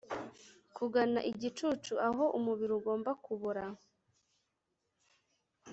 Kugana igicucu aho umubiri ugomba kubora